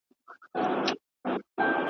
چي له لیري یې خوني پړانګ سو تر سترګو .